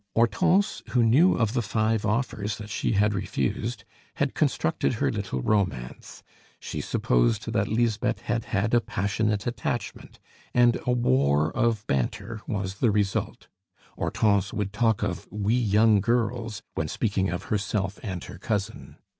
Hortense, who knew of the five offers that she had refused, had constructed her little romance; she supposed that Lisbeth had had a passionate attachment, and a war of banter was the result. Hortense would talk of "We young girls!" when speaking of herself and her cousin.